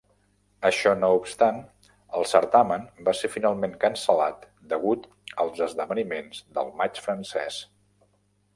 Això no obstant, el certamen va ser finalment cancel·lat degut als esdeveniments del Maig francès.